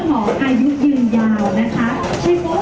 ก็ไม่มีคนกลับมาหรือเปล่า